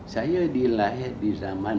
saya dilahir di zaman